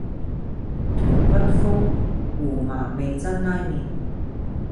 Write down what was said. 豚骨風胡麻味噌拉麵